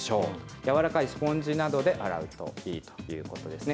柔らかいスポンジなどで洗うといいということですね。